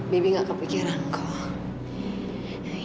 bibi gak kepikiran kok